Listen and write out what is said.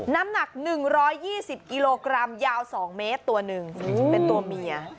น้ำหนัก๑๒๐กิโลกรัมยาว๒เมตรตัวหนึ่งเป็นตัวเมีย